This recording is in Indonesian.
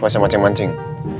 gak usah mancing mancing